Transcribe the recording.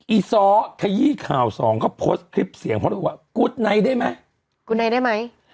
อีซ้อขยี้ข่าว๒ก็โพสต์คลิปเสียงเพราะว่ากุ๊ดไนได้ไหม